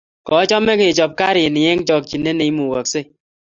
kochome kechob garini eng chokchinet neimukoksei